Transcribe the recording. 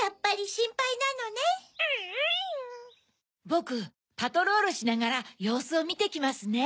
ぼくパトロールしながらようすをみてきますね。